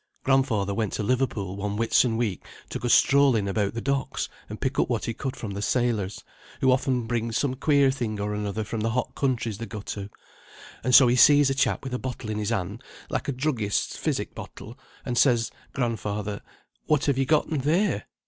Grandfather went to Liverpool one Whitsun week to go strolling about the docks and pick up what he could from the sailors, who often bring some queer thing or another from the hot countries they go to; and so he sees a chap with a bottle in his hand, like a druggist's physic bottle; and says grandfather, 'What have ye gotten there?'